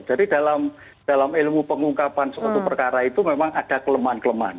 jadi dalam ilmu pengungkapan suatu perkara itu memang ada kelemahan kelemahan